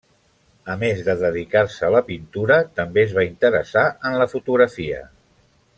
A més de dedicar-se a la pintura, també es va interessar en la fotografia.